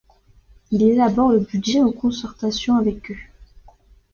Il élabore le budget en concertation avec eux.